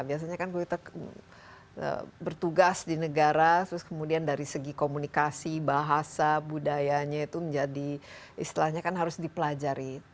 biasanya kan kita bertugas di negara terus kemudian dari segi komunikasi bahasa budayanya itu menjadi istilahnya kan harus dipelajari